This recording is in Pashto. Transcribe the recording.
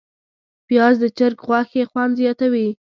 پیاز د چرګ غوښې خوند زیاتوي